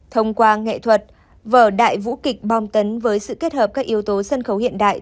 thông qua nghệ thuật vở đại vũ kịch bom tấn với sự kết hợp các yếu tố sân khấu hiện đại